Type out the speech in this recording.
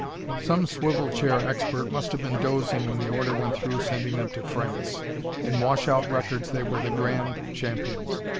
Some swivel chair expert must have been dozing when the order went through sending them to France. In wash out records they were the grand champions.